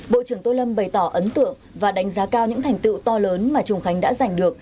bộ trưởng tô lâm bày tỏ ấn tượng và đánh giá cao những thành tựu to lớn mà trùng khánh đã giành được